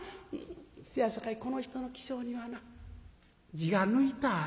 せやさかいこの人の起請にはな字が抜いたある」。